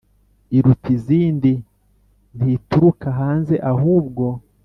iruta izindi ntituruka hanze ahubwo